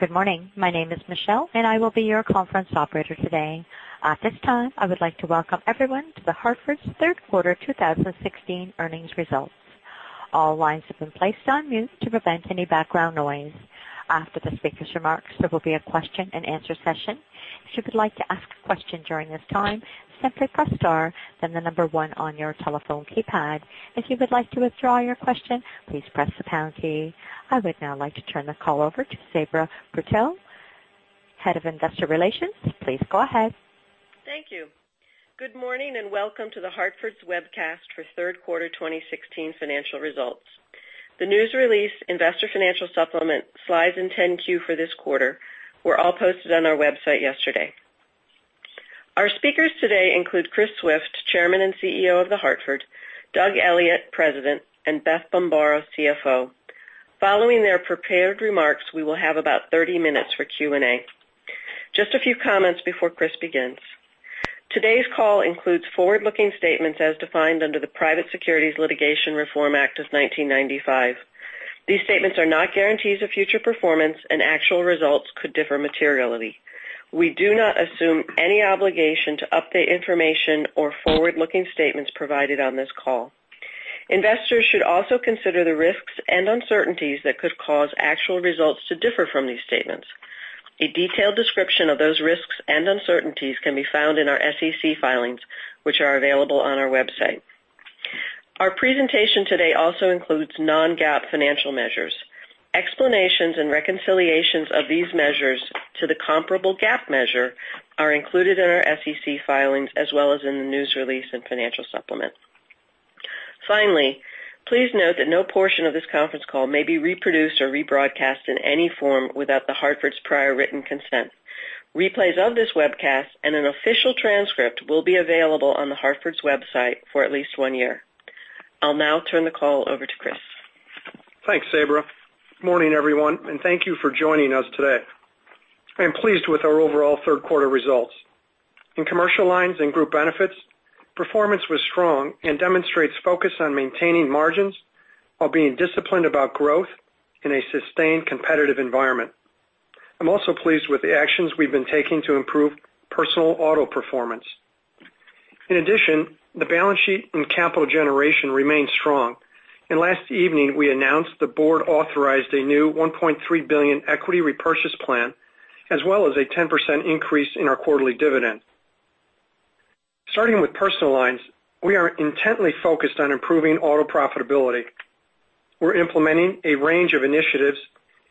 Good morning. My name is Michelle, I will be your conference operator today. At this time, I would like to welcome everyone to The Hartford's third quarter 2016 earnings results. All lines have been placed on mute to prevent any background noise. After the speaker's remarks, there will be a question and answer session. If you would like to ask a question during this time, simply press star, then the number one on your telephone keypad. If you would like to withdraw your question, please press the pound key. I would now like to turn the call over to Sabra Purtill, Head of Investor Relations. Please go ahead. Thank you. Good morning, welcome to The Hartford's webcast for third quarter 2016 financial results. The news release investor financial supplement slides and 10-Q for this quarter were all posted on our website yesterday. Our speakers today include Chris Swift, Chairman and CEO of The Hartford, Doug Elliot, President, Beth Bombara, CFO. Following their prepared remarks, we will have about 30 minutes for Q&A. Just a few comments before Chris begins. Today's call includes forward-looking statements as defined under the Private Securities Litigation Reform Act of 1995. These statements are not guarantees of future performance, actual results could differ materially. We do not assume any obligation to update information or forward-looking statements provided on this call. Investors should also consider the risks and uncertainties that could cause actual results to differ from these statements. A detailed description of those risks and uncertainties can be found in our SEC filings, which are available on our website. Our presentation today also includes non-GAAP financial measures. Explanations and reconciliations of these measures to the comparable GAAP measure are included in our SEC filings as well as in the news release and financial supplement. Finally, please note that no portion of this conference call may be reproduced or rebroadcast in any form without The Hartford's prior written consent. Replays of this webcast, an official transcript will be available on The Hartford's website for at least one year. I'll now turn the call over to Chris. Thanks, Sabra. Morning, everyone, thank you for joining us today. I am pleased with our overall third quarter results. In Commercial Lines and Group Benefits, performance was strong, demonstrates focus on maintaining margins while being disciplined about growth in a sustained competitive environment. I'm also pleased with the actions we've been taking to improve Personal Lines auto performance. In addition, the balance sheet and capital generation remain strong. Last evening, we announced the board authorized a new $1.3 billion equity repurchase plan, as well as a 10% increase in our quarterly dividend. Starting with Personal Lines, we are intently focused on improving auto profitability. We're implementing a range of initiatives,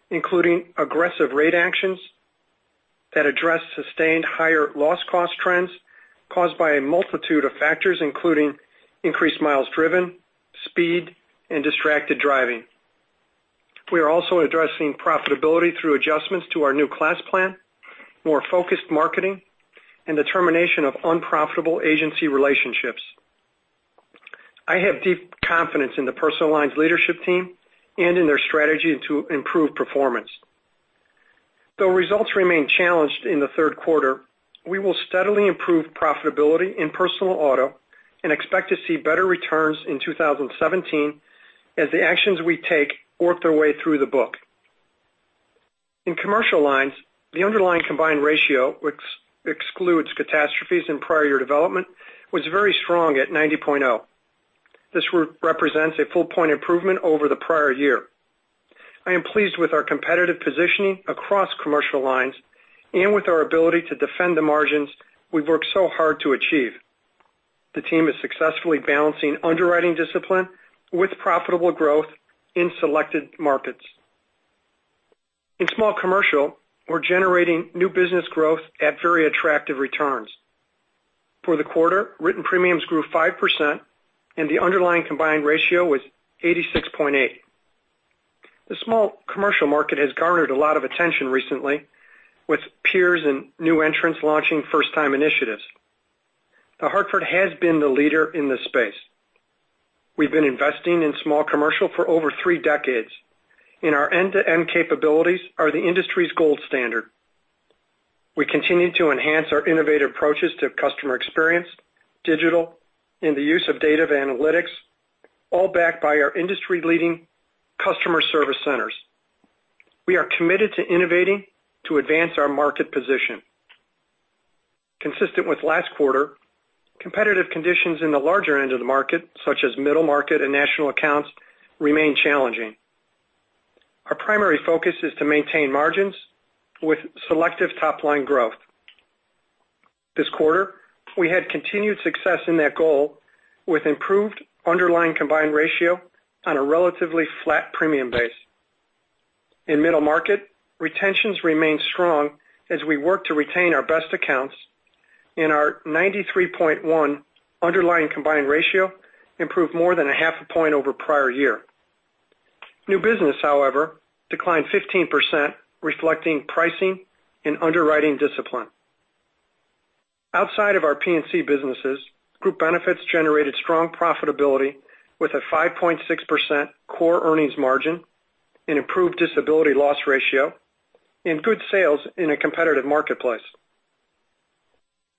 including aggressive rate actions that address sustained higher loss cost trends caused by a multitude of factors, including increased miles driven, speed, and distracted driving. We are also addressing profitability through adjustments to our new class plan, more focused marketing, and the termination of unprofitable agency relationships. I have deep confidence in the Personal Lines leadership team and in their strategy to improve performance. Though results remain challenged in the third quarter, we will steadily improve profitability in personal auto and expect to see better returns in 2017 as the actions we take work their way through the book. In Commercial Lines, the underlying combined ratio, which excludes catastrophes and prior year development, was very strong at 90.0. This represents a full point improvement over the prior year. I am pleased with our competitive positioning across Commercial Lines and with our ability to defend the margins we've worked so hard to achieve. The team is successfully balancing underwriting discipline with profitable growth in selected markets. In Small Commercial, we're generating new business growth at very attractive returns. For the quarter, written premiums grew 5%, and the underlying combined ratio was 86.8. The Small Commercial market has garnered a lot of attention recently, with peers and new entrants launching first-time initiatives. The Hartford has been the leader in this space. We've been investing in Small Commercial for over three decades, and our end-to-end capabilities are the industry's gold standard. We continue to enhance our innovative approaches to customer experience, digital, and the use of data analytics, all backed by our industry-leading customer service centers. We are committed to innovating to advance our market position. Consistent with last quarter, competitive conditions in the larger end of the market, such as Middle Market and national accounts, remain challenging. Our primary focus is to maintain margins with selective top-line growth. This quarter, we had continued success in that goal with improved underlying combined ratio on a relatively flat premium base. In Middle Market, retentions remained strong as we work to retain our best accounts and our 93.1 underlying combined ratio improved more than a half a point over prior year. New business, however, declined 15%, reflecting pricing and underwriting discipline. Outside of our P&C businesses, Group Benefits generated strong profitability with a 5.6% core earnings margin, an improved disability loss ratio, and good sales in a competitive marketplace.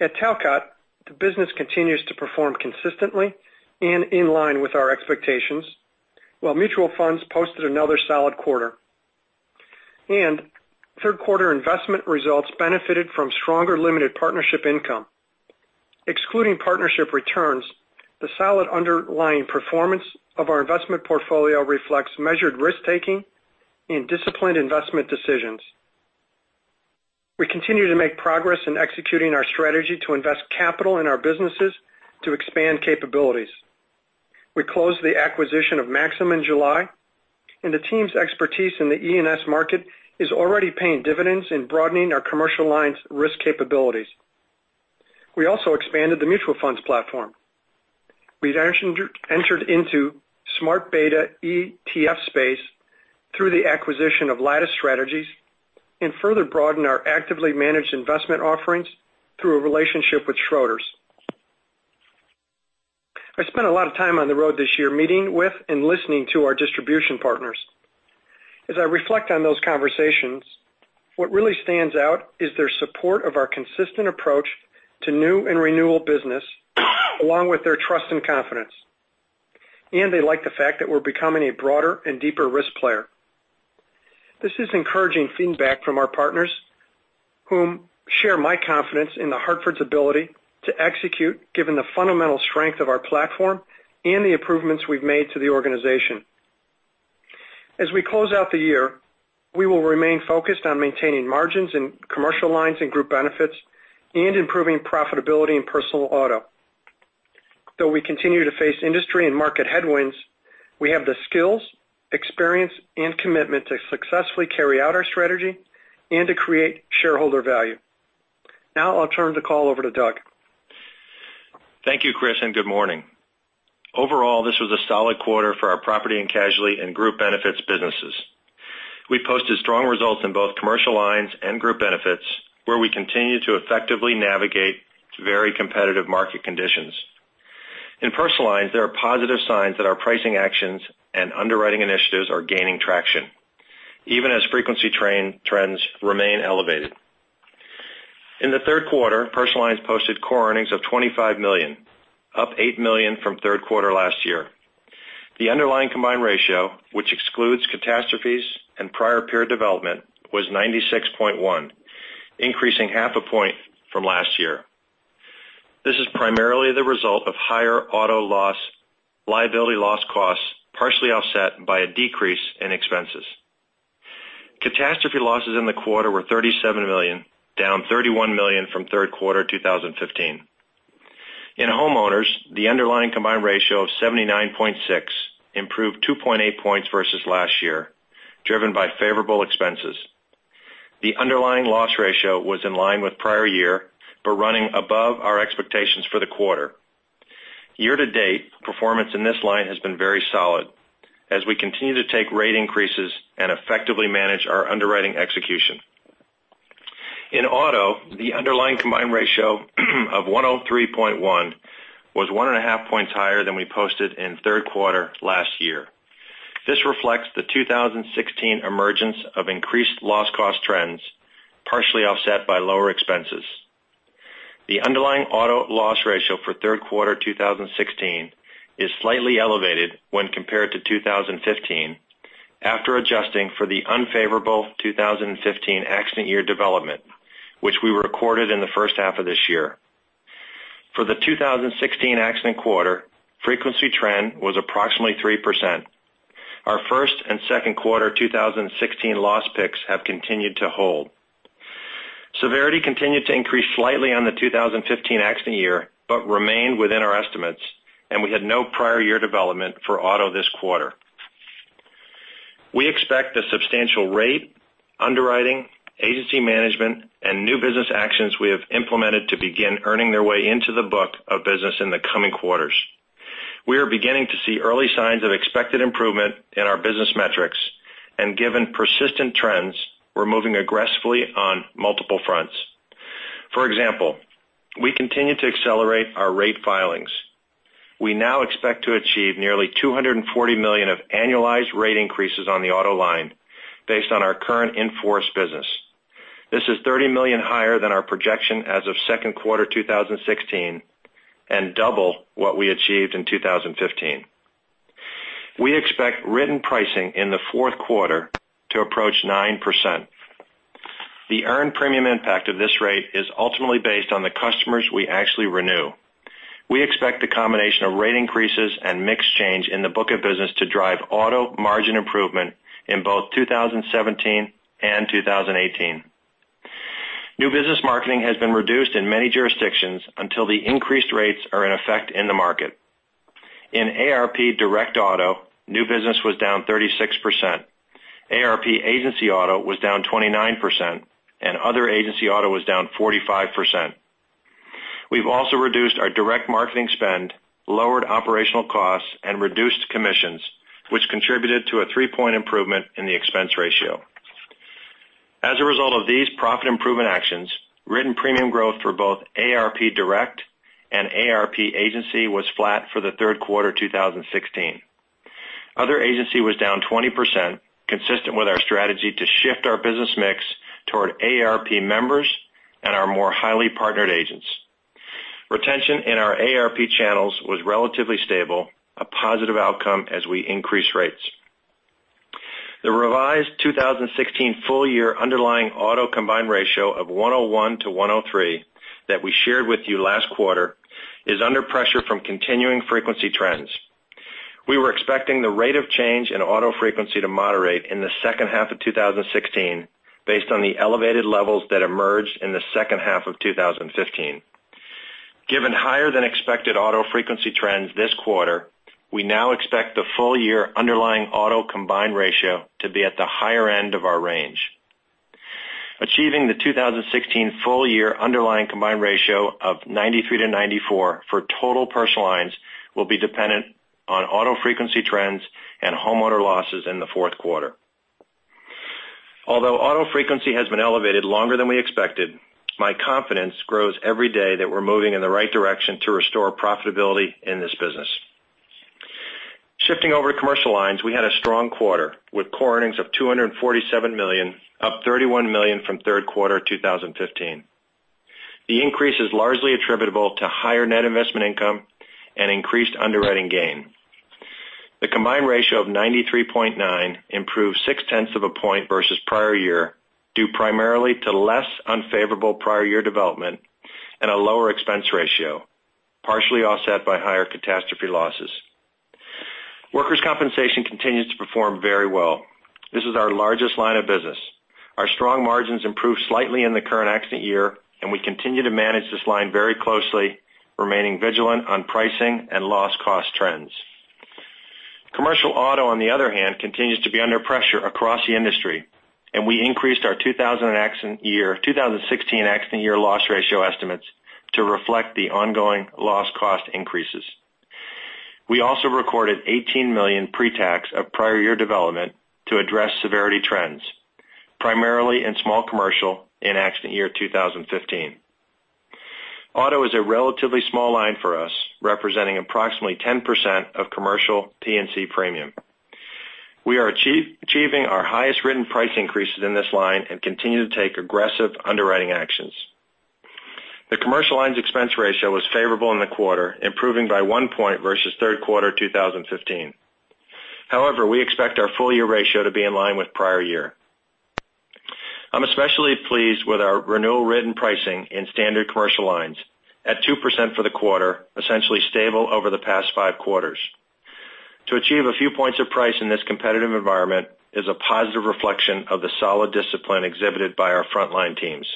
At Talcott, the business continues to perform consistently and in line with our expectations, while Mutual funds posted another solid quarter. Third quarter investment results benefited from stronger limited partnership income. Excluding partnership returns, the solid underlying performance of our investment portfolio reflects measured risk-taking and disciplined investment decisions. We continue to make progress in executing our strategy to invest capital in our businesses to expand capabilities. We closed the acquisition of Maxum in July, and the team's expertise in the E&S market is already paying dividends in broadening our Commercial Lines risk capabilities. We also expanded the Mutual funds platform. We've entered into smart beta ETF space through the acquisition of Lattice Strategies and further broadened our actively managed investment offerings through a relationship with Schroders. I spent a lot of time on the road this year meeting with and listening to our distribution partners. As I reflect on those conversations, what really stands out is their support of our consistent approach to new and renewal business, along with their trust and confidence. They like the fact that we're becoming a broader and deeper risk player. This is encouraging feedback from our partners, who share my confidence in The Hartford's ability to execute given the fundamental strength of our platform and the improvements we've made to the organization. As we close out the year, we will remain focused on maintaining margins in Commercial Lines and Group Benefits and improving profitability in Personal Auto. Though we continue to face industry and market headwinds, we have the skills, experience, and commitment to successfully carry out our strategy and to create shareholder value. Now I'll turn the call over to Doug. Thank you, Chris, and good morning. Overall, this was a solid quarter for our property and casualty and Group Benefits businesses. We posted strong results in both Commercial Lines and Group Benefits, where we continue to effectively navigate very competitive market conditions. In Personal Lines, there are positive signs that our pricing actions and underwriting initiatives are gaining traction, even as frequency trends remain elevated. In the third quarter, Personal Lines posted core earnings of $25 million, up $8 million from third quarter last year. The underlying combined ratio, which excludes catastrophes and prior period development, was 96.1, increasing half a point from last year. This is primarily the result of higher auto loss liability loss costs, partially offset by a decrease in expenses. Catastrophe losses in the quarter were $37 million, down $31 million from third quarter 2015. In Homeowners, the underlying combined ratio of 79.6 improved 2.8 points versus last year, driven by favorable expenses. The underlying loss ratio was in line with prior year, but running above our expectations for the quarter. Year-to-date performance in this line has been very solid as we continue to take rate increases and effectively manage our underwriting execution. In Auto, the underlying combined ratio of 103.1 was one and a half points higher than we posted in third quarter last year. This reflects the 2016 emergence of increased loss cost trends, partially offset by lower expenses. The underlying Auto loss ratio for third quarter 2016 is slightly elevated when compared to 2015, after adjusting for the unfavorable 2015 accident year development, which we recorded in the first half of this year. For the 2016 accident quarter, frequency trend was approximately 3%. Our first and second quarter 2016 loss picks have continued to hold. Severity continued to increase slightly on the 2015 accident year but remained within our estimates, and we had no prior year development for Auto this quarter. We expect the substantial rate, underwriting, agency management, and new business actions we have implemented to begin earning their way into the book of business in the coming quarters. We are beginning to see early signs of expected improvement in our business metrics, and given persistent trends, we're moving aggressively on multiple fronts. For example, we continue to accelerate our rate filings. We now expect to achieve nearly $240 million of annualized rate increases on the Auto line based on our current in-force business. This is $30 million higher than our projection as of second quarter 2016 and double what we achieved in 2015. We expect written pricing in the fourth quarter to approach 9%. The earned premium impact of this rate is ultimately based on the customers we actually renew. We expect the combination of rate increases and mix change in the book of business to drive auto margin improvement in both 2017 and 2018. New business marketing has been reduced in many jurisdictions until the increased rates are in effect in the market. In AARP Direct Auto, new business was down 36%. AARP Agency Auto was down 29%, and other agency auto was down 45%. We've also reduced our direct marketing spend, lowered operational costs, and reduced commissions, which contributed to a three-point improvement in the expense ratio. As a result of these profit improvement actions, written premium growth for both AARP Direct and AARP Agency was flat for the third quarter 2016. Other agency was down 20%, consistent with our strategy to shift our business mix toward AARP members and our more highly partnered agents. Retention in our AARP channels was relatively stable, a positive outcome as we increase rates. The revised 2016 full year underlying auto combined ratio of 101-103 that we shared with you last quarter is under pressure from continuing frequency trends. We were expecting the rate of change in auto frequency to moderate in the second half of 2016, based on the elevated levels that emerged in the second half of 2015. Given higher than expected auto frequency trends this quarter, we now expect the full year underlying auto combined ratio to be at the higher end of our range. Achieving the 2016 full year underlying combined ratio of 93-94 for total Personal Lines will be dependent on auto frequency trends and homeowner losses in the fourth quarter. Although auto frequency has been elevated longer than we expected, my confidence grows every day that we're moving in the right direction to restore profitability in this business. Shifting over to Commercial Lines, we had a strong quarter with core earnings of $247 million, up $31 million from third quarter 2015. The increase is largely attributable to higher net investment income and increased underwriting gain. The combined ratio of 93.9 improved six tenths of a point versus prior year, due primarily to less unfavorable prior year development and a lower expense ratio, partially offset by higher catastrophe losses. Workers' compensation continues to perform very well. This is our largest line of business. Our strong margins improved slightly in the current accident year, and we continue to manage this line very closely, remaining vigilant on pricing and loss cost trends. Commercial auto, on the other hand, continues to be under pressure across the industry, and we increased our 2016 accident year loss ratio estimates to reflect the ongoing loss cost increases. We also recorded $18 million pretax of prior year development to address severity trends, primarily in Small Commercial in accident year 2015. Auto is a relatively small line for us, representing approximately 10% of Commercial P&C premium. We are achieving our highest written price increases in this line and continue to take aggressive underwriting actions. The Commercial Lines expense ratio was favorable in the quarter, improving by one point versus third quarter 2015. However, we expect our full year ratio to be in line with prior year. I'm especially pleased with our renewal written pricing in standard Commercial Lines at 2% for the quarter, essentially stable over the past five quarters. To achieve a few points of price in this competitive environment is a positive reflection of the solid discipline exhibited by our frontline teams.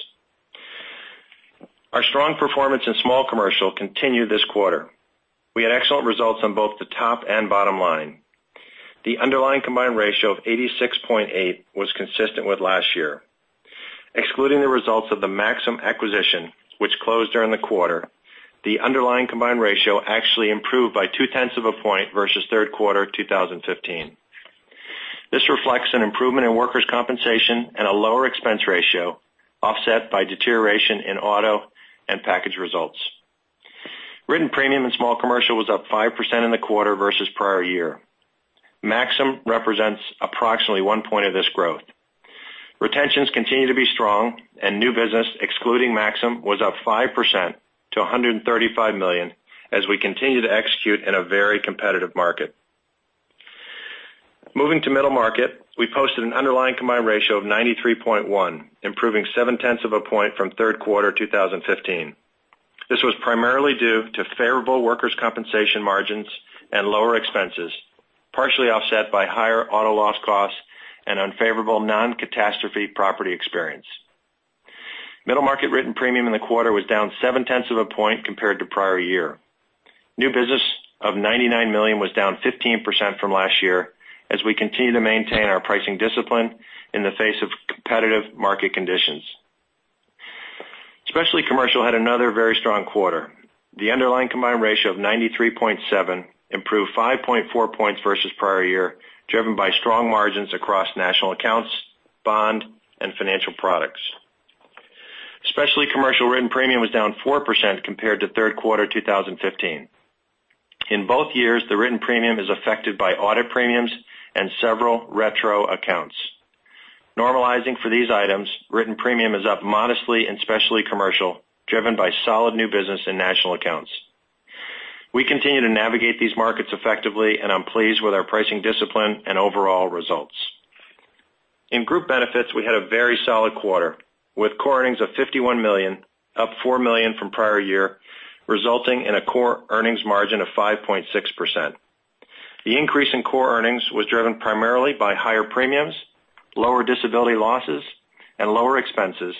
Our strong performance in Small Commercial continued this quarter. We had excellent results on both the top and bottom line. The underlying combined ratio of 86.8 was consistent with last year. Excluding the results of the Maxum acquisition, which closed during the quarter, the underlying combined ratio actually improved by two tenths of a point versus third quarter 2015. This reflects an improvement in Workers' compensation and a lower expense ratio, offset by deterioration in auto and package results. Written premium in Small Commercial was up 5% in the quarter versus prior year. Maxum represents approximately one point of this growth. Retentions continue to be strong and new business, excluding Maxum, was up 5% to $135 million as we continue to execute in a very competitive market. Moving to Middle Market, we posted an underlying combined ratio of 93.1, improving seven tenths of a point from third quarter 2015. This was primarily due to favorable Workers' compensation margins and lower expenses, partially offset by higher auto loss costs and unfavorable non-catastrophe property experience. Middle Market written premium in the quarter was down seven tenths of a point compared to prior year. New business of $99 million was down 15% from last year, as we continue to maintain our pricing discipline in the face of competitive market conditions. Specialty Commercial had another very strong quarter. The underlying combined ratio of 93.7 improved 5.4 points versus prior year, driven by strong margins across national accounts, bond, and financial products. Specialty Commercial written premium was down 4% compared to third quarter 2015. In both years, the written premium is affected by audit premiums and several retro accounts. Normalizing for these items, written premium is up modestly in Specialty Commercial, driven by solid new business and national accounts. We continue to navigate these markets effectively, and I'm pleased with our pricing discipline and overall results. In Group Benefits, we had a very solid quarter, with core earnings of $51 million, up $4 million from prior year, resulting in a core earnings margin of 5.6%. The increase in core earnings was driven primarily by higher premiums, lower disability losses, and lower expenses,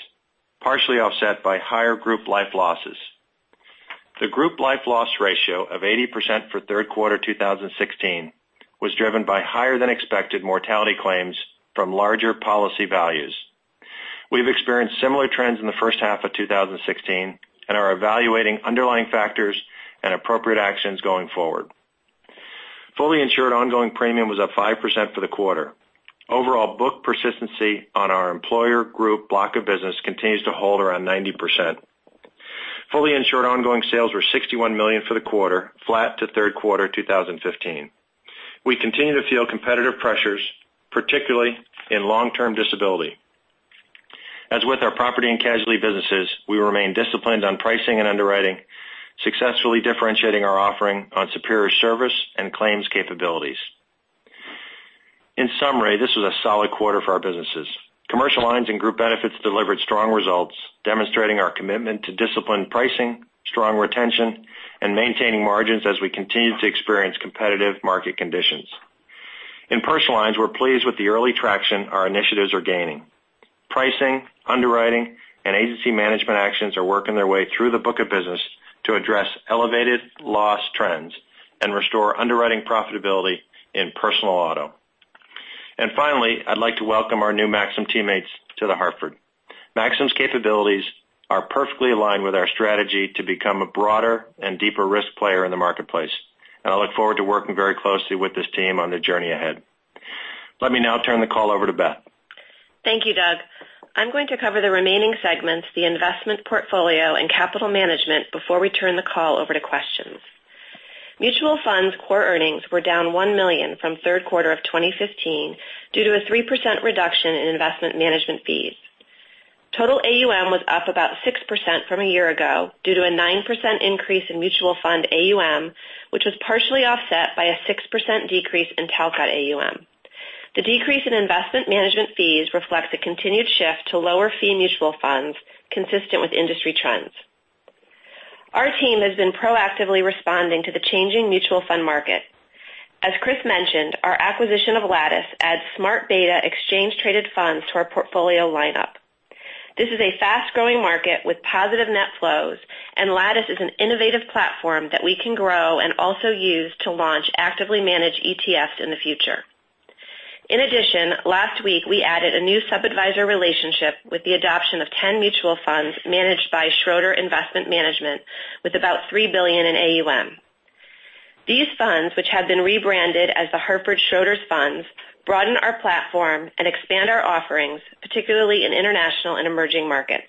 partially offset by higher group life losses. The group life loss ratio of 80% for third quarter 2016 was driven by higher than expected mortality claims from larger policy values. We've experienced similar trends in the first half of 2016 and are evaluating underlying factors and appropriate actions going forward. Fully insured ongoing premium was up 5% for the quarter. Overall, book persistency on our employer group block of business continues to hold around 90%. Fully insured ongoing sales were $61 million for the quarter, flat to third quarter 2015. We continue to feel competitive pressures, particularly in long-term disability. As with our property and casualty businesses, we remain disciplined on pricing and underwriting, successfully differentiating our offering on superior service and claims capabilities. In summary, this was a solid quarter for our businesses. Commercial Lines and Group Benefits delivered strong results, demonstrating our commitment to disciplined pricing, strong retention, and maintaining margins as we continue to experience competitive market conditions. In Personal Lines, we're pleased with the early traction our initiatives are gaining. Pricing, underwriting, and agency management actions are working their way through the book of business to address elevated loss trends and restore underwriting profitability in personal auto. Finally, I'd like to welcome our new Maxum teammates to The Hartford. Maxum's capabilities are perfectly aligned with our strategy to become a broader and deeper risk player in the marketplace, and I look forward to working very closely with this team on the journey ahead. Let me now turn the call over to Beth. Thank you, Doug. I'm going to cover the remaining segments, the investment portfolio and capital management before we turn the call over to questions. Mutual funds core earnings were down $1 million from third quarter of 2015 due to a 3% reduction in investment management fees. Total AUM was up about 6% from a year ago due to a 9% increase in mutual fund AUM, which was partially offset by a 6% decrease in Talcott AUM. The decrease in investment management fees reflects a continued shift to lower fee mutual funds consistent with industry trends. Our team has been proactively responding to the changing mutual fund market. As Chris mentioned, our acquisition of Lattice adds smart beta exchange traded funds to our portfolio lineup. This is a fast-growing market with positive net flows. Lattice is an innovative platform that we can grow and also use to launch actively managed ETFs in the future. In addition, last week, we added a new sub-adviser relationship with the adoption of 10 mutual funds managed by Schroder Investment Management, with about $3 billion in AUM. These funds, which have been rebranded as the Hartford Schroders Funds, broaden our platform and expand our offerings, particularly in international and emerging markets.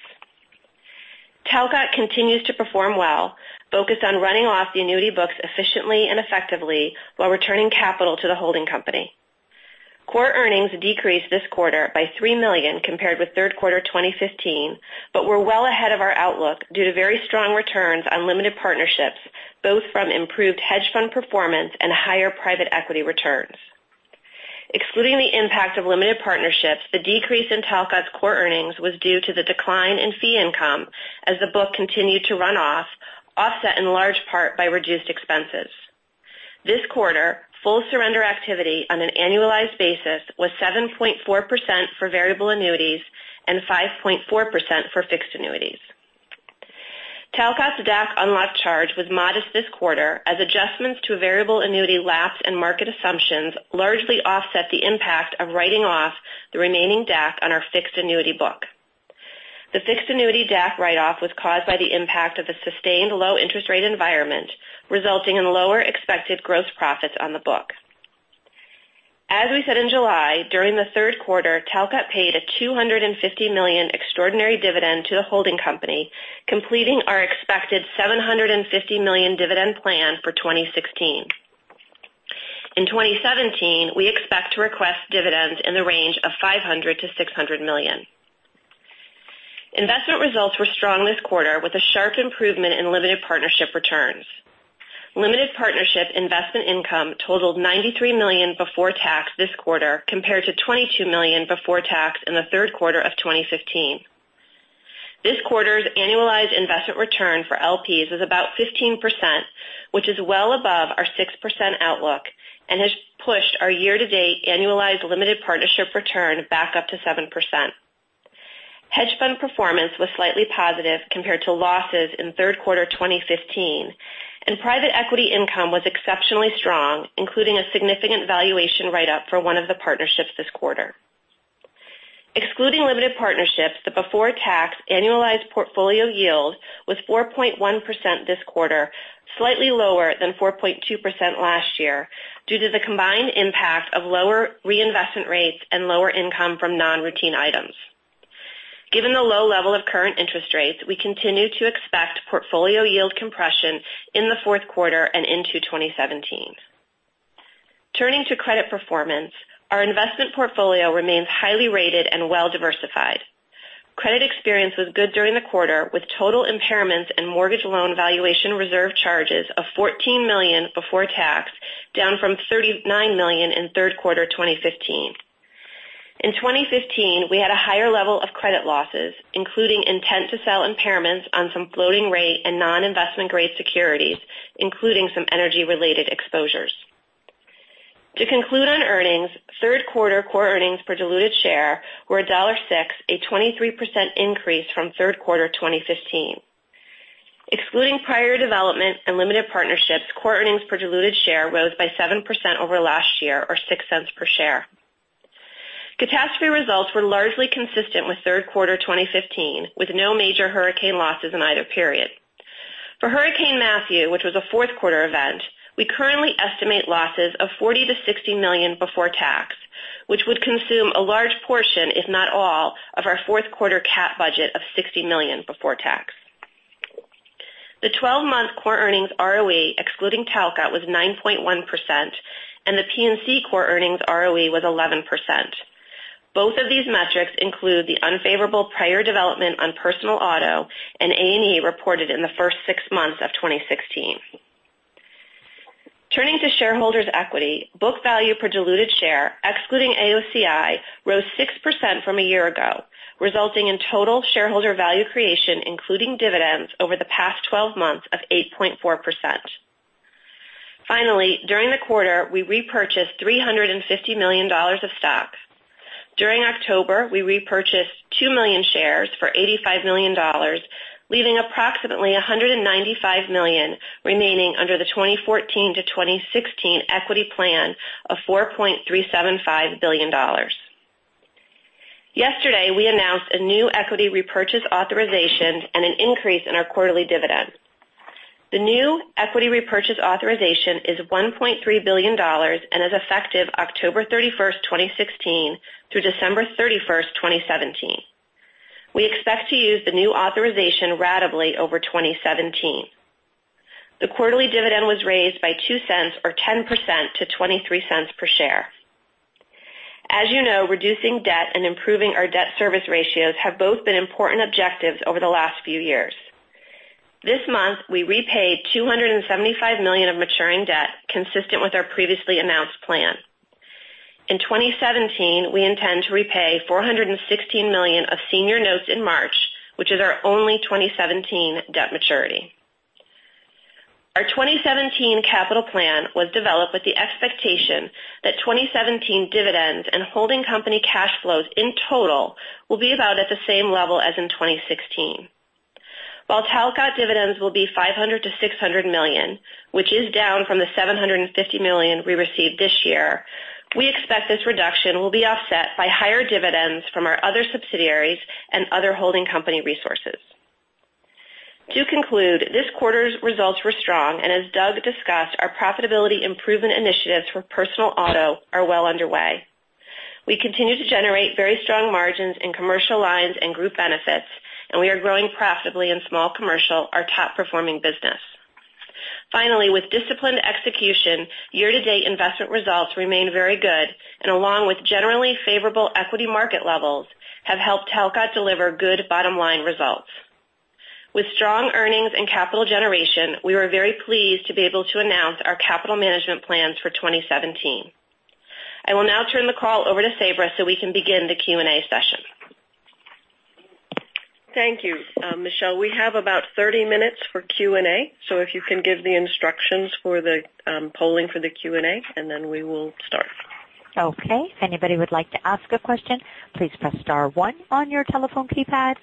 Talcott continues to perform well, focused on running off the annuity books efficiently and effectively while returning capital to the holding company. Core earnings decreased this quarter by $3 million compared with third quarter 2015. We're well ahead of our outlook due to very strong returns on limited partnerships, both from improved hedge fund performance and higher private equity returns. Excluding the impact of limited partnerships, the decrease in Talcott's core earnings was due to the decline in fee income as the book continued to run off, offset in large part by reduced expenses. This quarter, full surrender activity on an annualized basis was 7.4% for variable annuities and 5.4% for fixed annuities. Talcott's DAC unlock charge was modest this quarter as adjustments to variable annuity lapse and market assumptions largely offset the impact of writing off the remaining DAC on our fixed annuity book. The fixed annuity DAC write-off was caused by the impact of the sustained low interest rate environment, resulting in lower expected gross profits on the book. As we said in July, during the third quarter, Talcott paid a $250 million extraordinary dividend to the holding company, completing our expected $750 million dividend plan for 2016. In 2017, we expect to request dividends in the range of $500 to $600 million. Investment results were strong this quarter with a sharp improvement in limited partnership returns. Limited partnership investment income totaled $93 million before tax this quarter, compared to $22 million before tax in the third quarter of 2015. This quarter's annualized investment return for LPs is about 15%, which is well above our 6% outlook and has pushed our year-to-date annualized limited partnership return back up to 7%. Hedge fund performance was slightly positive compared to losses in third quarter 2015, and private equity income was exceptionally strong, including a significant valuation write-up for one of the partnerships this quarter. Excluding limited partnerships, the before tax annualized portfolio yield was 4.1% this quarter, slightly lower than 4.2% last year due to the combined impact of lower reinvestment rates and lower income from non-routine items. Given the low level of current interest rates, we continue to expect portfolio yield compression in the fourth quarter and into 2017. Turning to credit performance, our investment portfolio remains highly rated and well-diversified. Credit experience was good during the quarter, with total impairments and mortgage loan valuation reserve charges of $14 million before tax, down from $39 million in third quarter 2015. In 2015, we had a higher level of credit losses, including intent-to-sell impairments on some floating rate and non-investment-grade securities, including some energy-related exposures. To conclude on earnings, third quarter core earnings per diluted share were $1.06, a 23% increase from third quarter 2015. Excluding prior developments and limited partnerships, core earnings per diluted share rose by 7% over last year or $0.06 per share. Catastrophe results were largely consistent with third quarter 2015, with no major hurricane losses in either period. For Hurricane Matthew, which was a fourth quarter event, we currently estimate losses of $40 million to $60 million before tax, which would consume a large portion, if not all, of our fourth quarter cat budget of $60 million before tax. The 12-month core earnings ROE, excluding Talcott, was 9.1%, and the P&C core earnings ROE was 11%. Both of these metrics include the unfavorable prior development on Personal Auto and A&E reported in the first 6 months of 2016. Turning to shareholders' equity, book value per diluted share, excluding AOCI, rose 6% from a year ago, resulting in total shareholder value creation, including dividends over the past 12 months, of 8.4%. Finally, during the quarter, we repurchased $350 million of stock. During October, we repurchased 2 million shares for $85 million, leaving approximately $195 million remaining under the 2014 to 2016 equity plan of $4.375 billion. Yesterday, we announced a new equity repurchase authorization and an increase in our quarterly dividend. The new equity repurchase authorization is $1.3 billion and is effective October 31st, 2016 through December 31st, 2017. We expect to use the new authorization ratably over 2017. The quarterly dividend was raised by $0.02 or 10% to $0.23 per share. As you know, reducing debt and improving our debt service ratios have both been important objectives over the last few years. This month, we repaid $275 million of maturing debt consistent with our previously announced plan. In 2017, we intend to repay $416 million of senior notes in March, which is our only 2017 debt maturity. Our 2017 capital plan was developed with the expectation that 2017 dividends and holding company cash flows in total will be about at the same level as in 2016. While Talcott dividends will be $500 million-$600 million, which is down from the $750 million we received this year, we expect this reduction will be offset by higher dividends from our other subsidiaries and other holding company resources. To conclude, this quarter's results were strong, and as Doug discussed, our profitability improvement initiatives for Personal Auto are well underway. We continue to generate very strong margins in Commercial Lines and Group Benefits, and we are growing profitably in Small Commercial, our top-performing business. Finally, with disciplined execution, year-to-date investment results remain very good and, along with generally favorable equity market levels, have helped Talcott deliver good bottom-line results. With strong earnings and capital generation, we are very pleased to be able to announce our capital management plans for 2017. I will now turn the call over to Sabra so we can begin the Q&A session. Thank you, Michelle. We have about 30 minutes for Q&A. If you can give the instructions for the polling for the Q&A, we will start. Okay. If anybody would like to ask a question, please press star one on your telephone keypad.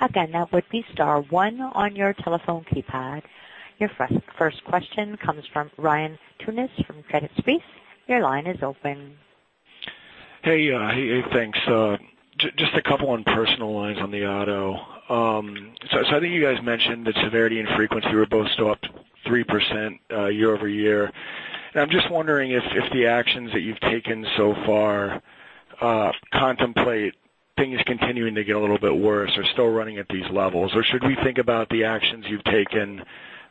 Again, that would be star one on your telephone keypad. Your first question comes from Ryan Tunis from Credit Suisse. Your line is open. Hey, thanks. Just a couple on Personal Lines on the auto. I think you guys mentioned that severity and frequency were both still up 3% year-over-year. I'm just wondering if the actions that you've taken so far contemplate things continuing to get a little bit worse or still running at these levels, or should we think about the actions you've taken,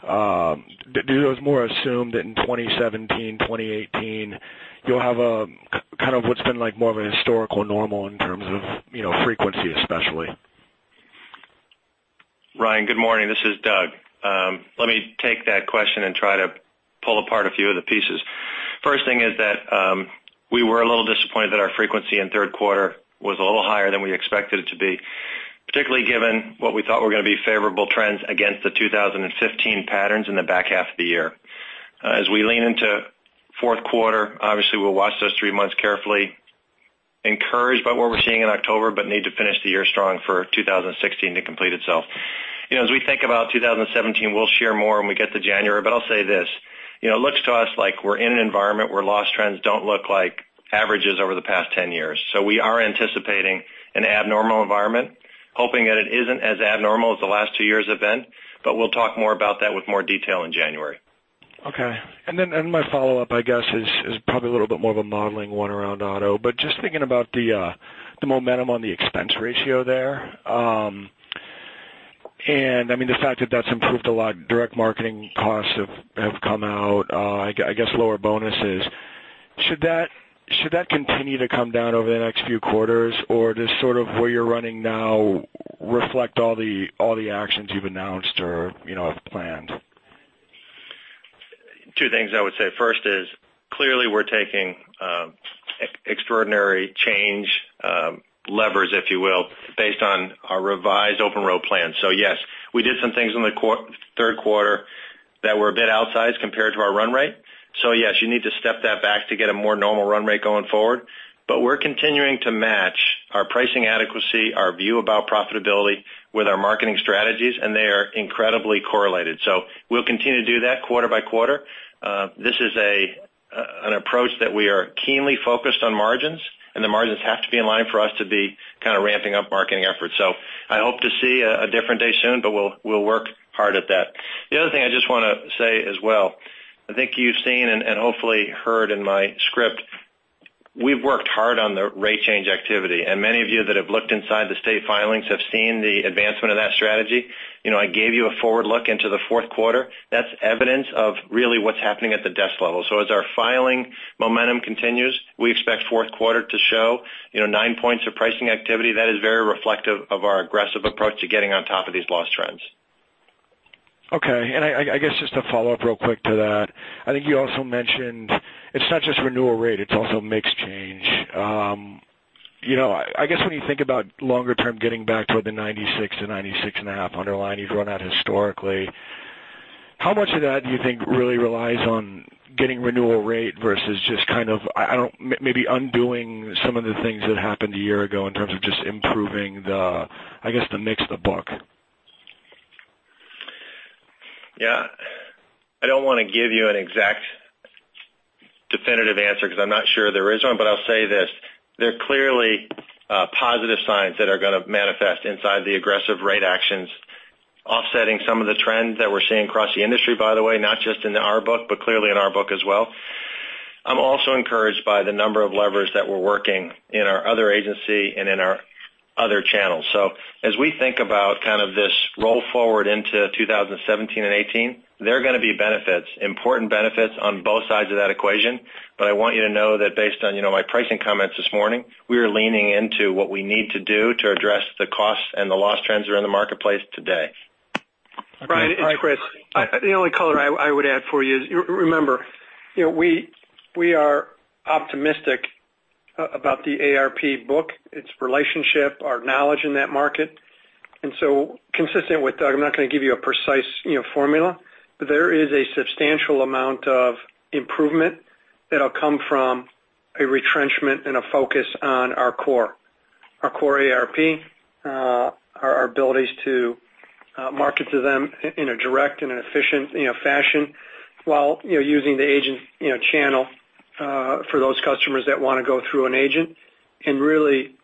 do those more assume that in 2017, 2018, you'll have a kind of what's been like more of a historical normal in terms of frequency especially? Ryan, good morning. This is Doug. Let me take that question and try to pull apart a few of the pieces. First thing is that we were a little disappointed that our frequency in third quarter was a little higher than we expected it to be, particularly given what we thought were going to be favorable trends against the 2015 patterns in the back half of the year. As we lean into fourth quarter, obviously, we'll watch those three months carefully, encouraged by what we're seeing in October, but need to finish the year strong for 2016 to complete itself. As we think about 2017, we'll share more when we get to January, but I'll say this. It looks to us like we're in an environment where loss trends don't look like averages over the past 10 years. We are anticipating an abnormal environment, hoping that it isn't as abnormal as the last two years have been, but we'll talk more about that with more detail in January. Okay. Then my follow-up, I guess, is probably a little bit more of a modeling one around auto, but just thinking about the momentum on the expense ratio there. I mean, the fact that that's improved a lot, direct marketing costs have come out, I guess lower bonuses. Should that continue to come down over the next few quarters, or does sort of where you're running now reflect all the actions you've announced or have planned? Two things I would say. First is, clearly we're taking extraordinary change levers, if you will, based on our revised Open Road plan. Yes, we did some things in the third quarter that were a bit outsized compared to our run rate. Yes, you need to step that back to get a more normal run rate going forward. We're continuing to match our pricing adequacy, our view about profitability with our marketing strategies, and they are incredibly correlated. We'll continue to do that quarter by quarter. This is an approach that we are keenly focused on margins, and the margins have to be in line for us to be ramping up marketing efforts. I hope to see a different day soon, but we'll work hard at that. The other thing I just want to say as well, I think you've seen and hopefully heard in my script, we've worked hard on the rate change activity. Many of you that have looked inside the state filings have seen the advancement of that strategy. I gave you a forward look into the fourth quarter. That's evidence of really what's happening at the desk level. As our filing momentum continues, we expect fourth quarter to show 9 points of pricing activity. That is very reflective of our aggressive approach to getting on top of these loss trends. Okay. I guess just to follow up real quick to that, I think you also mentioned it's not just renewal rate, it's also mix change. I guess when you think about longer term, getting back to the 96%-96.5% underlying you've run out historically, how much of that do you think really relies on getting renewal rate versus just maybe undoing some of the things that happened a year ago in terms of just improving, I guess, the mix of the book? Yeah. I don't want to give you an exact definitive answer because I'm not sure there is one, but I'll say this. There are clearly positive signs that are going to manifest inside the aggressive rate actions offsetting some of the trends that we're seeing across the industry, by the way, not just in our book, but clearly in our book as well. I'm also encouraged by the number of levers that we're working in our other agency and in our other channels. As we think about kind of this roll forward into 2017 and 2018, there are going to be benefits, important benefits on both sides of that equation. I want you to know that based on my pricing comments this morning, we are leaning into what we need to do to address the costs and the loss trends that are in the marketplace today. Brian, it's Chris. The only color I would add for you is, remember, we are optimistic about the AARP book, its relationship, our knowledge in that market. Consistent with Doug Elliot, I'm not going to give you a precise formula, but there is a substantial amount of improvement that'll come from a retrenchment and a focus on our core. Our core AARP, our abilities to market to them in a direct and an efficient fashion while using the agent channel for those customers that want to go through an agent, and really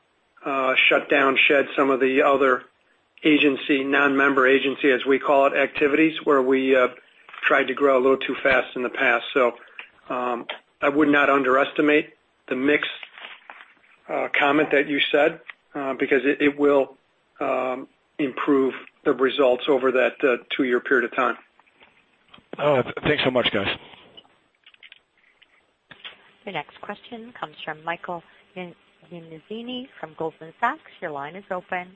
shut down, shed some of the other agency, non-member agency, as we call it, activities where we tried to grow a little too fast in the past. I would not underestimate the mixed comment that you said because it will improve the results over that two-year period of time. Thanks so much, guys. Your next question comes from Michael Nannizzi from Goldman Sachs. Your line is open.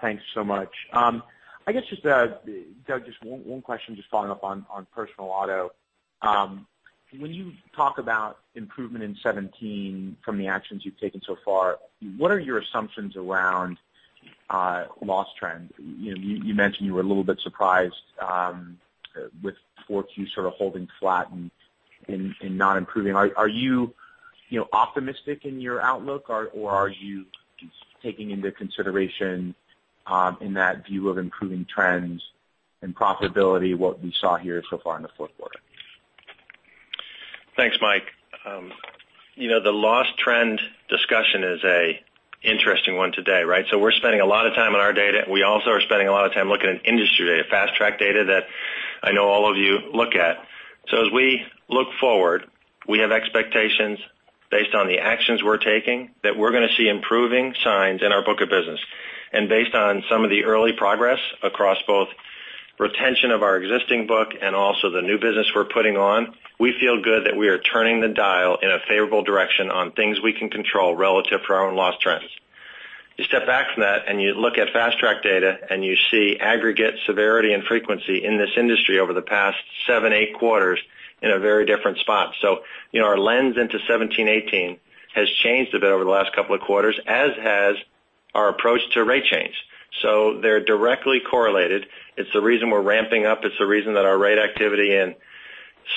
Thanks so much. I guess just, Doug, just one question, just following up on personal auto. When you talk about improvement in 2017 from the actions you've taken so far, what are your assumptions around loss trend? You mentioned you were a little bit surprised with 4Q sort of holding flat and not improving. Are you optimistic in your outlook, or are you taking into consideration in that view of improving trends and profitability what we saw here so far in the fourth quarter? Thanks, Mike. The loss trend discussion is an interesting one today, right? We're spending a lot of time on our data. We also are spending a lot of time looking at industry data, Fast Track data that I know all of you look at. As we look forward, we have expectations based on the actions we're taking that we're going to see improving signs in our book of business. Based on some of the early progress across both retention of our existing book and also the new business we're putting on, we feel good that we are turning the dial in a favorable direction on things we can control relative to our own loss trends. You step back from that and you look at Fast Track data, and you see aggregate severity and frequency in this industry over the past seven, eight quarters in a very different spot. Our lens into 2017-2018 has changed a bit over the last couple of quarters, as has our approach to rate change. They're directly correlated. It's the reason we're ramping up. It's the reason that our rate activity in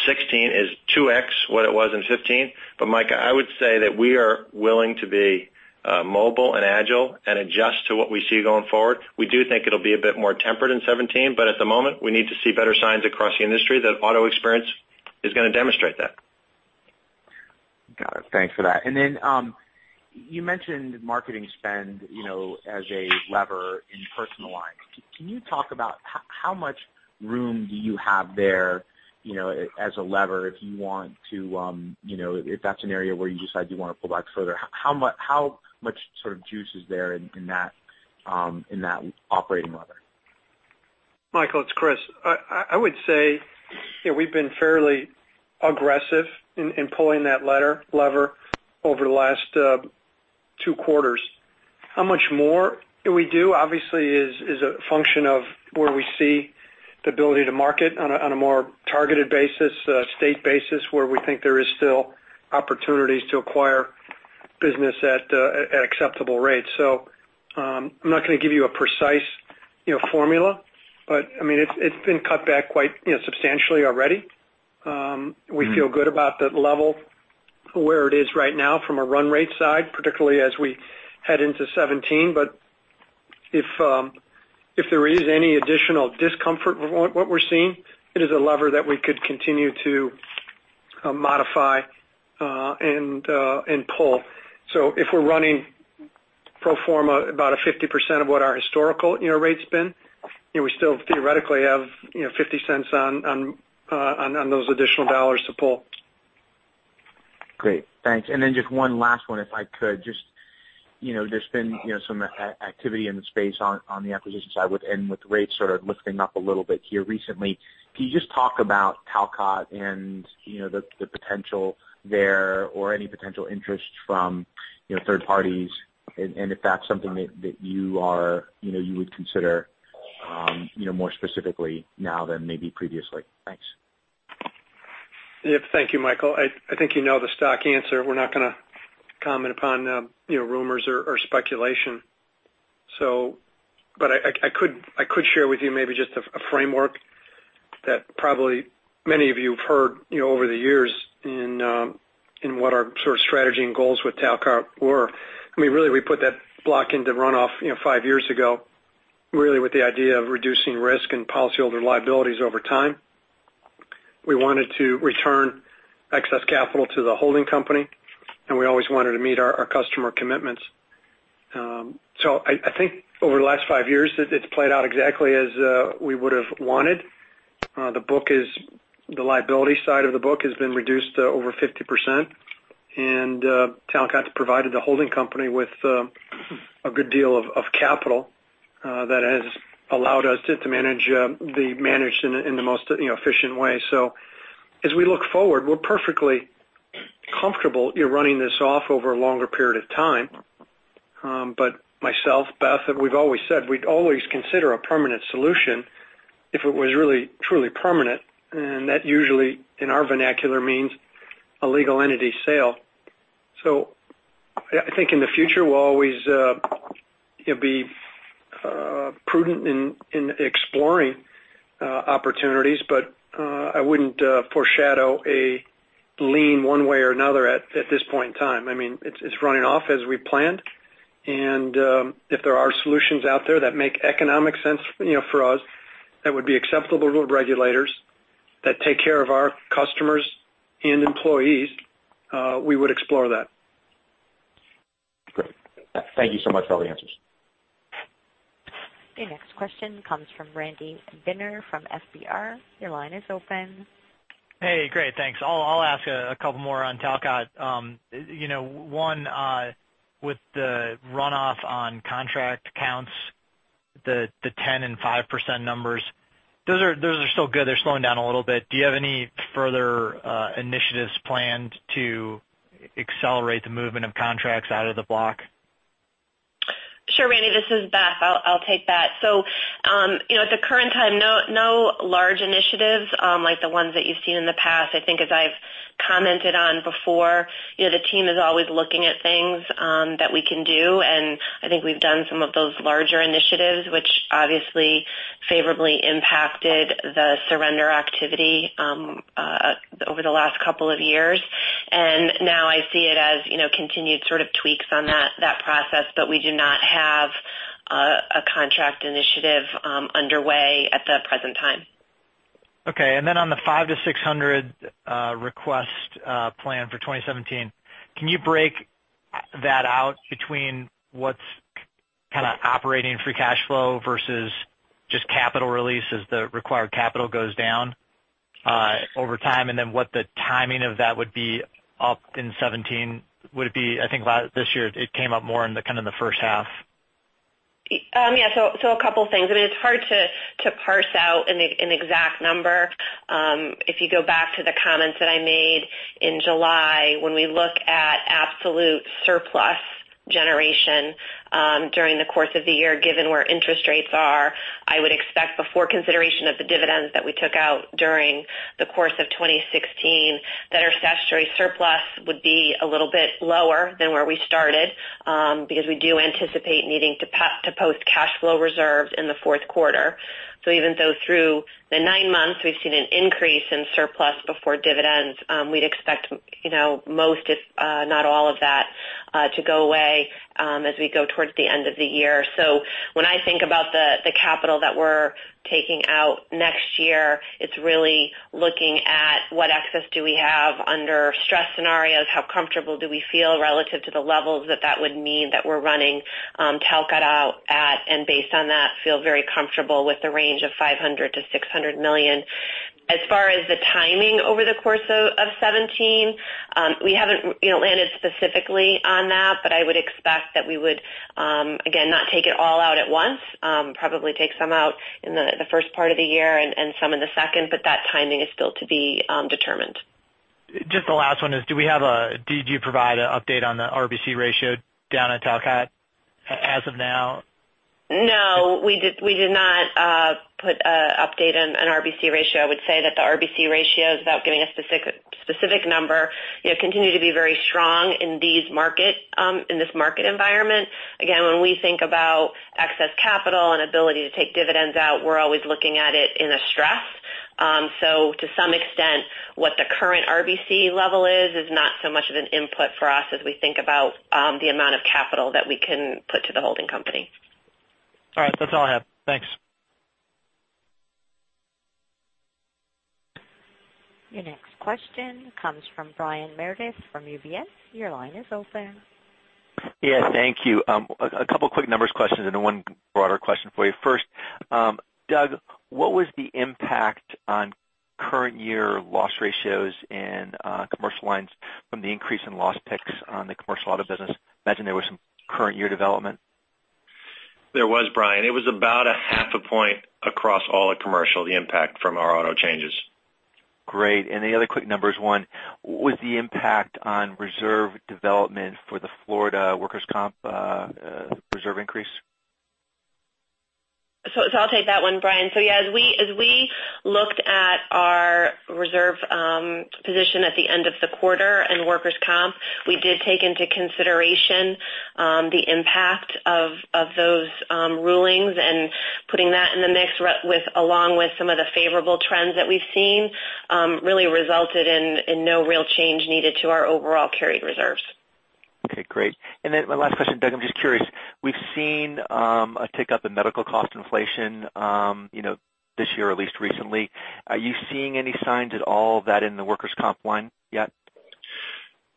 2016 is 2x what it was in 2015. Mike, I would say that we are willing to be mobile and agile and adjust to what we see going forward. We do think it'll be a bit more tempered in 2017, but at the moment, we need to see better signs across the industry that auto experience is going to demonstrate that. Got it. Thanks for that. You mentioned marketing spend as a lever in Personal Lines. Can you talk about how much room do you have there as a lever if that's an area where you decide you want to pull back further? How much sort of juice is there in that operating lever? Michael, it's Chris. I would say we've been fairly aggressive in pulling that lever over the last two quarters. How much more we do obviously is a function of where we see the ability to market on a more targeted basis, state basis, where we think there is still opportunities to acquire business at acceptable rates. I'm not going to give you a precise formula, but it's been cut back quite substantially already. We feel good about the level where it is right now from a run rate side, particularly as we head into 2017. If there is any additional discomfort with what we're seeing, it is a lever that we could continue to modify and pull. If we're running pro forma about a 50% of what our historical rates been, we still theoretically have $0.50 on those additional dollars to pull. Great. Thanks. Just one last one, if I could. There's been some activity in the space on the acquisition side with rates sort of lifting up a little bit here recently. Can you just talk about Talcott and the potential there or any potential interest from third parties, and if that's something that you would consider more specifically now than maybe previously? Thanks. Thank you, Michael. I think you know the stock answer. We're not going to comment upon rumors or speculation. I could share with you maybe just a framework that probably many of you have heard over the years in what our sort of strategy and goals with Talcott were. We put that block into runoff five years ago, with the idea of reducing risk and policyholder liabilities over time. We wanted to return excess capital to the holding company, and we always wanted to meet our customer commitments. I think over the last five years, it's played out exactly as we would've wanted. The liability side of the book has been reduced over 50%, and Talcott's provided the holding company with a good deal of capital that has allowed us to manage in the most efficient way. As we look forward, we're perfectly comfortable running this off over a longer period of time. Myself, Beth, and we've always said we'd always consider a permanent solution if it was really, truly permanent, and that usually, in our vernacular, means a legal entity sale. I think in the future, we'll always be prudent in exploring opportunities, but I wouldn't foreshadow a lean one way or another at this point in time. It's running off as we planned, and if there are solutions out there that make economic sense for us, that would be acceptable to regulators, that take care of our customers and employees, we would explore that. Great. Thank you so much for all the answers. Your next question comes from Randy Binner from FBR. Your line is open. Hey, great. Thanks. I'll ask a couple more on Talcott. One, with the runoff on contract counts, the 10 and 5% numbers, those are still good. They're slowing down a little bit. Do you have any further initiatives planned to accelerate the movement of contracts out of the block? Sure, Randy Binner, this is Beth Bombara. I'll take that. At the current time, no large initiatives like the ones that you've seen in the past. I think as I've commented on before, the team is always looking at things that we can do, and I think we've done some of those larger initiatives, which obviously favorably impacted the surrender activity over the last couple of years. Now I see it as continued sort of tweaks on that process, but we do not have a contract initiative underway at the present time. Okay. On the 500-600 request plan for 2017, can you break that out between what's kind of operating free cash flow versus just capital release as the required capital goes down over time, and then what the timing of that would be up in 2017? I think this year it came up more in the first half. Yeah. A couple of things. It's hard to parse out an exact number. If you go back to the comments that I made in July, when we look at absolute surplus generation during the course of the year, given where interest rates are, I would expect before consideration of the dividends that we took out during the course of 2016, that our statutory surplus would be a little bit lower than where we started, because we do anticipate needing to post cash flow reserves in the fourth quarter. Even though through the nine months we've seen an increase in surplus before dividends, we'd expect most, if not all of that, to go away as we go towards the end of the year. When I think about the capital that we're taking out next year, it's really looking at what access do we have under stress scenarios, how comfortable do we feel relative to the levels that that would mean that we're running Talcott out at, and based on that, feel very comfortable with the range of $500 million-$600 million. As far as the timing over the course of 2017, we haven't landed specifically on that, but I would expect that we would, again, not take it all out at once. Probably take some out in the first part of the year and some in the second, but that timing is still to be determined. The last one is did you provide an update on the RBC ratio down at Talcott as of now? We did not put an update on RBC ratio. I would say that the RBC ratio, without giving a specific number, continue to be very strong in this market environment. Again, when we think about excess capital and ability to take dividends out, we're always looking at it in a stress. To some extent, what the current RBC level is not so much of an input for us as we think about the amount of capital that we can put to the holding company. That's all I have. Thanks. Your next question comes from Brian Meredith from UBS. Your line is open. Yes, thank you. A couple of quick numbers questions, then one broader question for you. First, Doug Elliot, what was the impact on current year loss ratios in Commercial Lines from the increase in loss picks on the commercial auto business? I imagine there was some current year development. There was, Brian. It was about a half a point across all of commercial, the impact from our auto changes. Great. The other quick numbers one, what was the impact on reserve development for the Florida Workers' comp reserve increase? I'll take that one, Brian. Yes, as we looked at our reserve position at the end of the quarter in workers' comp, we did take into consideration the impact of those rulings and putting that in the mix, along with some of the favorable trends that we've seen, really resulted in no real change needed to our overall carried reserves. Okay, great. My last question, Doug, I'm just curious. We've seen a tick up in medical cost inflation this year, at least recently. Are you seeing any signs at all of that in the workers' comp line yet?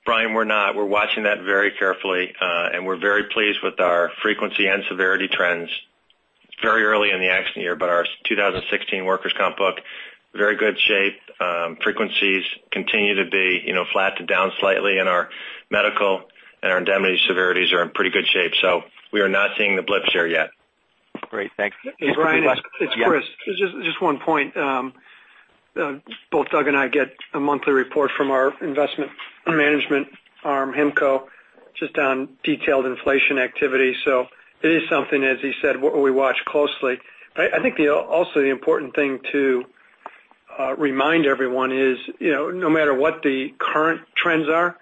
Brian, we're not. We're watching that very carefully. We're very pleased with our frequency and severity trends. It's very early in the accident year, but our 2016 workers' comp book, very good shape. Frequencies continue to be flat to down slightly in our medical, and our indemnity severities are in pretty good shape. We are not seeing the blips here yet. Great. Thanks. Hey, Brian, it's Chris. Just one point. Both Doug and I get a monthly report from our investment management arm, HIMCO, just on detailed inflation activity. It is something, as he said, we watch closely. I think also the important thing to remind everyone is no matter what the current trends are,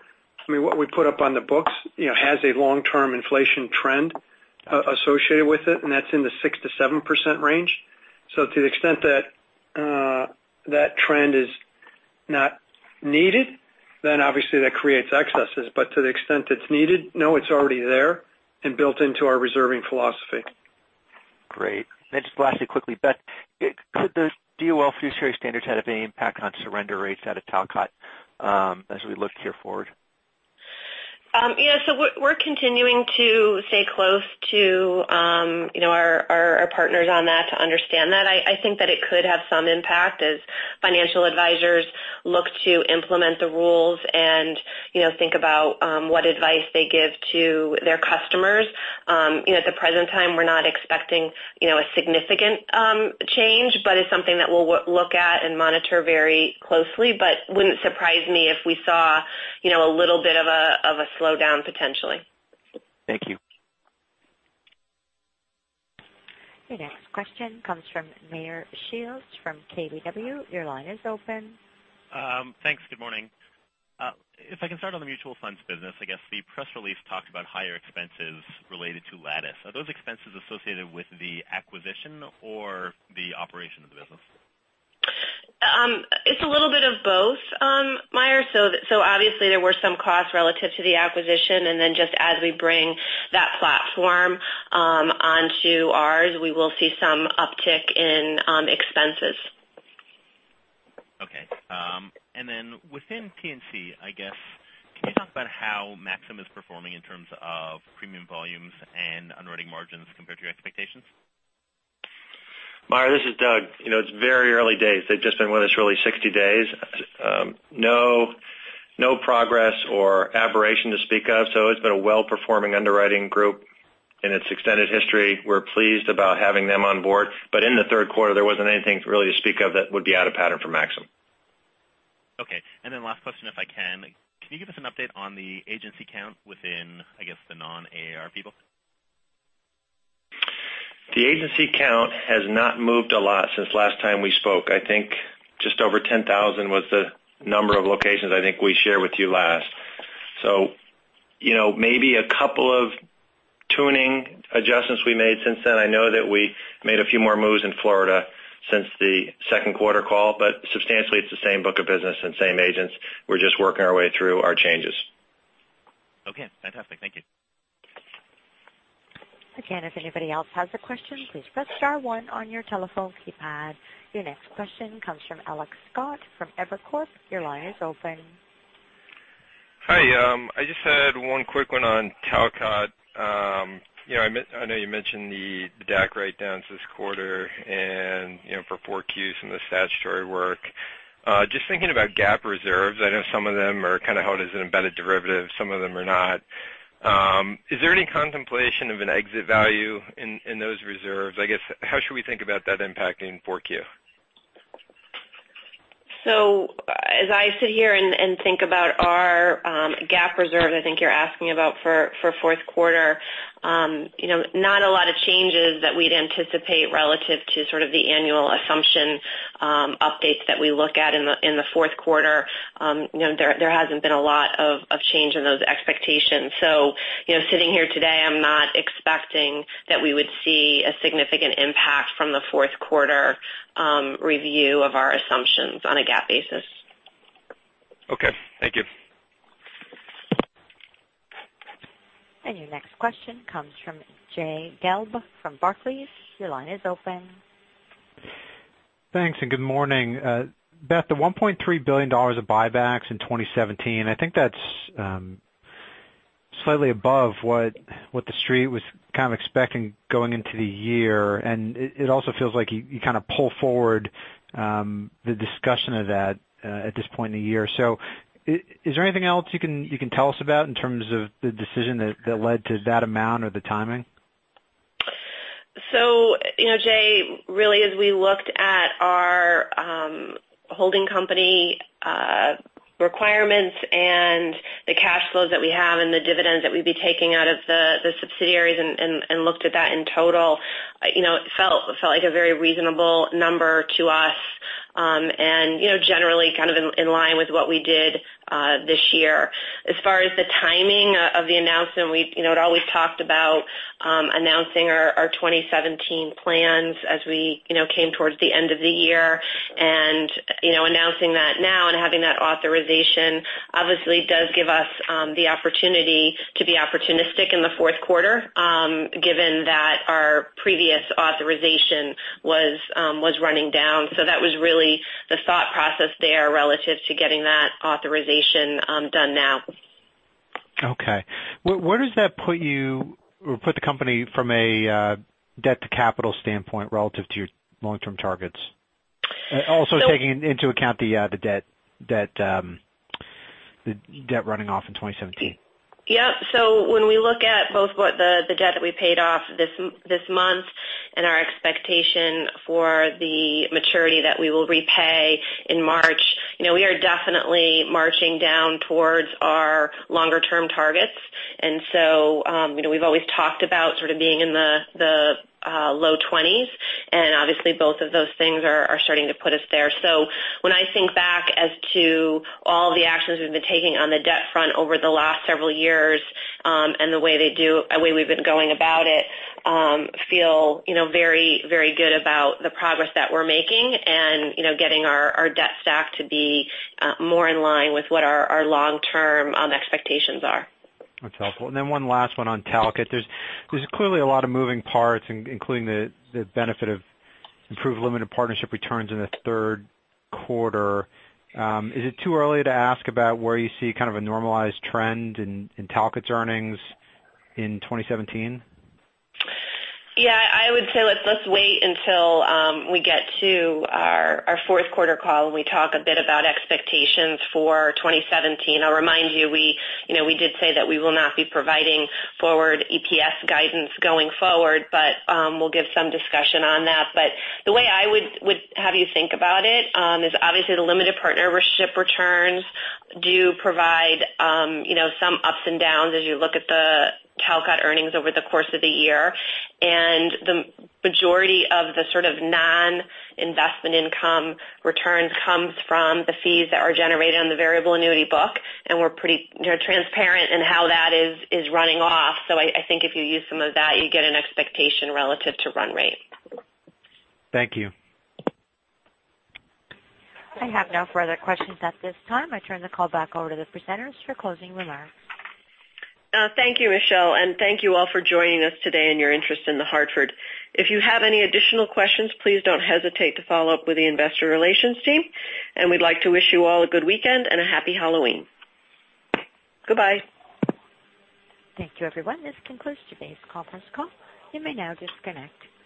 I mean, what we put up on the books has a long-term inflation trend associated with it, and that's in the 6%-7% range. To the extent that that trend is not needed, then obviously that creates excesses. To the extent it's needed, no, it's already there and built into our reserving philosophy. Great. Just lastly, quickly, Beth, could those DOL fiduciary standards have any impact on surrender rates out of Talcott as we look here forward? Yeah. We're continuing to stay close to our partners on that to understand that. I think that it could have some impact as financial advisors look to implement the rules and think about what advice they give to their customers. At the present time, we're not expecting a significant change, but it's something that we'll look at and monitor very closely. Wouldn't surprise me if we saw a little bit of a slowdown potentially. Thank you. Your next question comes from Meyer Shields from KBW. Your line is open. Thanks. Good morning. If I can start on the mutual funds business, I guess the press release talked about higher expenses related to Lattice. Are those expenses associated with the acquisition or the operation of the business? It's a little bit of both, Meyer. Obviously there were some costs relative to the acquisition, and then just as we bring that platform onto ours, we will see some uptick in expenses. Okay. Within P&C, I guess, can you talk about how Maxum is performing in terms of premium volumes and underwriting margins compared to your expectations? Meyer, this is Doug. It's very early days. They've just been with us really 60 days. No progress or aberration to speak of, it's been a well-performing underwriting group in its extended history. We're pleased about having them on board. In the third quarter, there wasn't anything really to speak of that would be out of pattern for Maxum. Okay. Last question, if I can. Can you give us an update on the agency count within, I guess, the non-AARP people? The agency count has not moved a lot since last time we spoke. I think just over 10,000 was the number of locations I think we shared with you last. Maybe a couple of tuning adjustments we made since then. I know that we made a few more moves in Florida since the second quarter call, substantially, it's the same book of business and same agents. We're just working our way through our changes. Okay, fantastic. Thank you. Again, if anybody else has a question, please press star one on your telephone keypad. Your next question comes from Alex Scott from Evercore. Your line is open. Hi. I just had one quick one on Talcott. I know you mentioned the DAC write-downs this quarter and for 4Q, some of the statutory work. Just thinking about GAAP reserves, I know some of them are kind of held as an embedded derivative, some of them are not. Is there any contemplation of an exit value in those reserves? I guess, how should we think about that impacting 4Q? As I sit here and think about our GAAP reserve, I think you're asking about for fourth quarter. Not a lot of changes that we'd anticipate relative to sort of the annual assumption updates that we look at in the fourth quarter. There hasn't been a lot of change in those expectations. Sitting here today, I'm not expecting that we would see a significant impact from the fourth quarter review of our assumptions on a GAAP basis. Okay. Thank you. Your next question comes from Jay Gelb from Barclays. Your line is open. Thanks and good morning. Beth, the $1.3 billion of buybacks in 2017, I think that's slightly above what the street was kind of expecting going into the year. It also feels like you pull forward the discussion of that at this point in the year. Is there anything else you can tell us about in terms of the decision that led to that amount or the timing? Jay, really as we looked at our holding company requirements and the cash flows that we have and the dividends that we'd be taking out of the subsidiaries and looked at that in total, it felt like a very reasonable number to us. Generally in line with what we did this year. As far as the timing of the announcement, we'd always talked about announcing our 2017 plans as we came towards the end of the year. Announcing that now and having that authorization obviously does give us the opportunity to be opportunistic in the fourth quarter given that our previous authorization was running down. That was really the thought process there relative to getting that authorization done now. Okay. Where does that put the company from a debt to capital standpoint relative to your long-term targets? Also taking into account the debt running off in 2017. Yep. When we look at both what the debt that we paid off this month and our expectation for the maturity that we will repay in March, we are definitely marching down towards our longer-term targets. We've always talked about sort of being in the low twenties, and obviously both of those things are starting to put us there. When I think back as to all the actions we've been taking on the debt front over the last several years, and the way we've been going about it, feel very good about the progress that we're making and getting our debt stack to be more in line with what our long-term expectations are. That's helpful. One last one on Talcott. There's clearly a lot of moving parts, including the benefit of improved limited partnership returns in the third quarter. Is it too early to ask about where you see kind of a normalized trend in Talcott's earnings in 2017? I would say let's wait until we get to our fourth quarter call when we talk a bit about expectations for 2017. I'll remind you, we did say that we will not be providing forward EPS guidance going forward, but we'll give some discussion on that. The way I would have you think about it is obviously the limited partnership returns do provide some ups and downs as you look at the Talcott earnings over the course of the year. The majority of the sort of non-investment income returns comes from the fees that are generated on the variable annuity book, and we're pretty transparent in how that is running off. I think if you use some of that, you get an expectation relative to run rate. Thank you. I have no further questions at this time. I turn the call back over to the presenters for closing remarks. Thank you, Michelle. Thank you all for joining us today and your interest in The Hartford. If you have any additional questions, please don't hesitate to follow up with the investor relations team. We'd like to wish you all a good weekend and a happy Halloween. Goodbye. Thank you everyone. This concludes today's conference call. You may now disconnect.